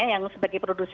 yang sebagai produsen